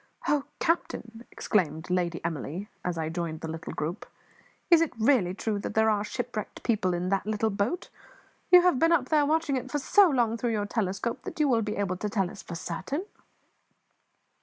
"Oh, captain," exclaimed Lady Emily, as I joined the little group, "is it really true that there are shipwrecked people in that little boat? You have been up there watching it for so long through your telescope that you will be able to tell us for certain."